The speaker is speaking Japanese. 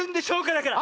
だから！